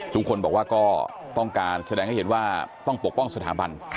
ทุกคนบอกว่าก็ต้องการแสดงให้เห็นว่าต้องปกป้องสถาบัน